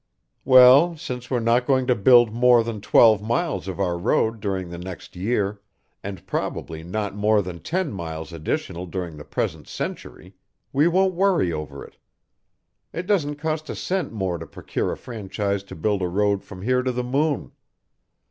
"Well, since we're not going to build more than twelve miles of our road during the next year, and probably not more than ten miles additional during the present century, we won't worry over it. It doesn't cost a cent more to procure a franchise to build a road from here to the moon.